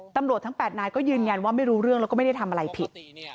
ตำรวจทั้ง๘นายก็ยืนยันว่าไม่รู้เรื่องแล้วก็ไม่ได้ทำอะไรผิด